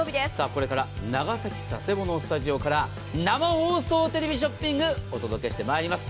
これから長崎・佐世保のスタジオから生放送でテレビショッピングお届けまいります。